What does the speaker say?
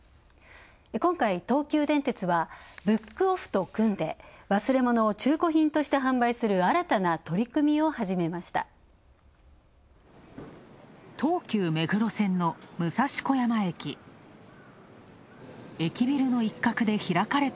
今回、東急電鉄はブックオフと組んで、忘れ物を中古品として販売する新たな取り組みを始めました。